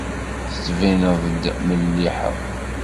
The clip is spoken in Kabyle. Tettbineḍ-d melliḥeḍ.